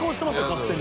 勝手に。